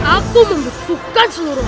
aku harus mencobanya